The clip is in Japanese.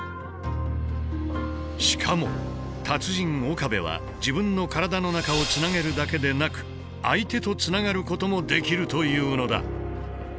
しかも達人・岡部は自分の体の中をつなげるだけでなく相手とつながることもできるというのだ。